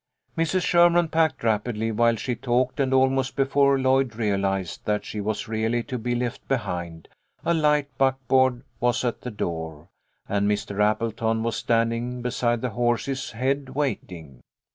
Mrs. Sherman packed rapidly while she talked, and almost before Lloyd realised that she was really to be left behind, a light buckboard was at the door, and Mr. Appleton was standing beside the horse's head waiting.